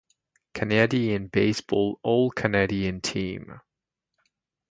Canadian Baseball All-Canadian team.